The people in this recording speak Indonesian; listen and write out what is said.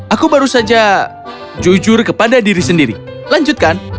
aku baru saja jujur kepada diri sendiri lanjutkan